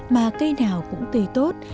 mà cây nào cũng tùy tốt